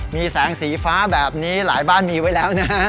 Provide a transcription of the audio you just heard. มีแสงสีฟ้าแบบนี้หลายบ้านมีไว้แล้วนะฮะ